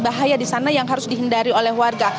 bahaya di sana yang harus dihindari oleh warga